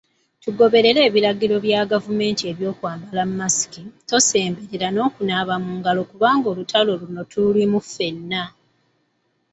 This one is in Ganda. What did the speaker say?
Mugoberere ebiragiro bya gavumenti okwambala masiki, tonsemberera n'okunaaba mu ngalo kubanga olutalo luno tululimu ffenna.